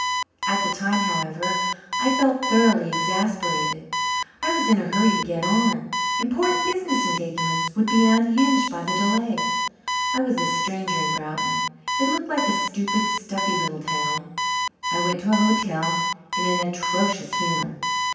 At the time, however, I felt thoroughly exasperated. I was in a hurry to get on. Important business engagements would be unhinged by the delay. I was a stranger in Broughton. It looked like a stupid, stuffy little town. I went to a hotel in an atrocious humor.